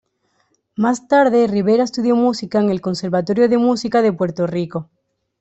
Más tarde, Rivera estudió música en el Conservatorio de Música de Puerto Rico.